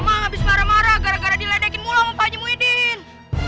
mak abis marah marah gara gara diledekin mula sama paknya muidin